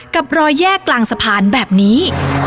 กับรอยแยกกลางสะพานแบบนี้